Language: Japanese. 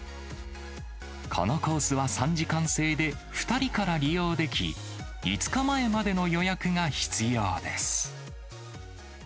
このコースは３時間制で、２人から利用でき、５日前までの予約が必要です。